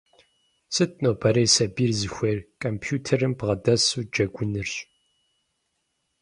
Сыт нобэрей сабийр зыхуейр? Компьютерым бгъэдэсу джэгунырщ.